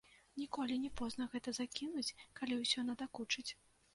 Ніколі не позна гэта закінуць, калі ўсё надакучыць.